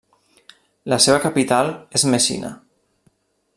La seva capital és Messina.